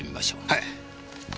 はい！